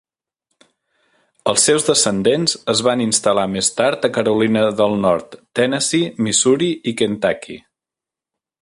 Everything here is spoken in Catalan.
Els seus descendents es van instal·lar més tard a Carolina del Nord, Tennessee, Missouri i Kentucky.